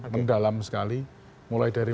mendalam sekali mulai dari